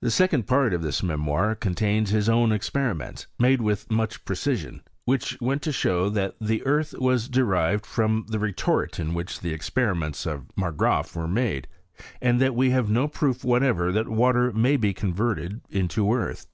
The second part of this memoir con tains his own experiments, made with much pre cision, which went to show that the earth was de rived from the retort in which the experiments of Margraaf were made, and that we have no proof whatever that water may be converted into earth.